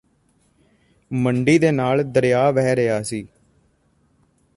ਮੰਡੀ ਦੇ ਨਾਲ ਦਰਿਆ ਵਹਿ ਰਿਹਾ ਸੀ